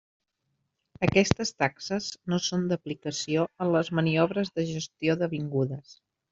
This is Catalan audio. Aquestes taxes no són d'aplicació en les maniobres de gestió d'avingudes.